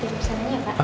oke pesan aja pak